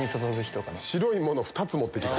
白いもの２つ持ってきた。